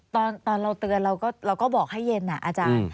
ตอนเราเตือนเราก็บอกให้เย็นอาจารย์